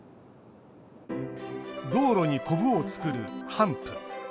道路に、こぶを作るハンプ。